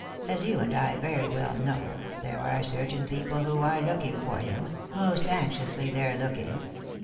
As you and I very well know, there are certain people who are looking for him — most anxiously they're looking.